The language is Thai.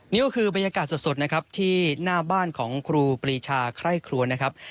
นี่ก็คือบรรยากาศสดนะครับที่หน้าบ้านของครูปรีชาไคร่ครัวนะครับ